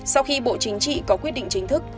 sau khi bộ chính trị có quyết định chính thức